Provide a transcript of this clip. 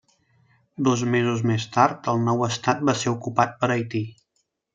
Dos mesos més tard el nou estat va ser ocupat per Haití.